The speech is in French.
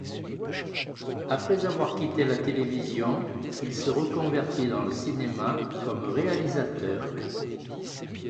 Après avoir quitté la télévision, il se reconvertit dans le cinéma, comme réalisateur.